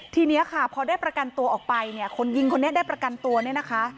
ทีนี้ค่ะพอได้ประกันตัวออกไปเนี่ยคนยิงคนนี้ได้ประกันตัวเนี่ยนะคะ